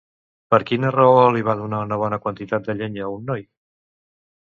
Per quina raó li va donar una bona quantitat de llenya a un noi?